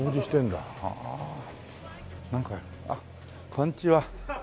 こんにちは！